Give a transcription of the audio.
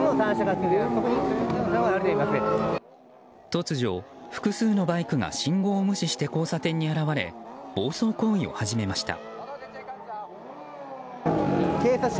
突如、複数のバイクが信号無視して交差点に現れ暴走行為を始めました。